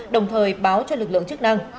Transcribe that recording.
đồng thời báo cho lực lượng chức năng